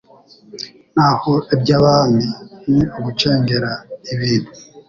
naho iry’abami ni ugucengera ibintu